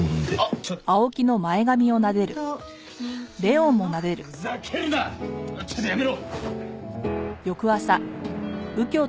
ちょっとやめろ。